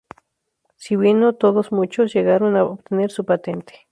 Si bien no todos, muchos llegaron a obtener su patente.